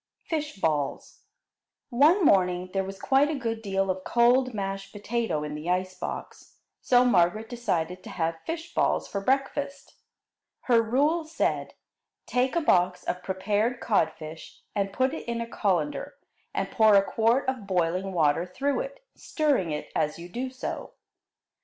Fish balls One morning there was quite a good deal of cold mashed potato in the ice box, so Margaret decided to have fish balls for breakfast. Her rule said: Take a box of prepared codfish and put it in a colander and pour a quart of boiling water through it, stirring it as you do so.